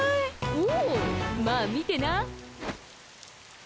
おうまあ見てな。